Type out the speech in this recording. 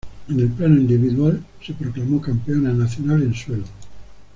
En el plano individual, se proclamó campeona nacional en suelo.